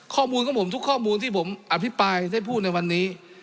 ข้อมูลของผมทุกข้อมูลที่ผมอภิปรายได้พูดในวันนี้